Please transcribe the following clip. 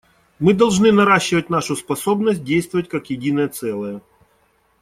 Мы должны наращивать нашу способность действовать как единое целое.